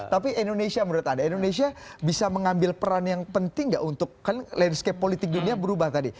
tapi indonesia menurut anda indonesia bisa mengambil peran yang penting nggak untuk kan landscape politik dunia berubah tadi